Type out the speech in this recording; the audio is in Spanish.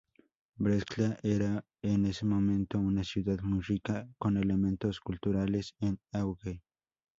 Brescia era en ese momento una ciudad muy rica con elementos culturales en auge.